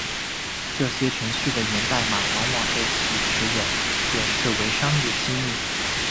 这些程序的源代码往往被其持有者视为商业机密。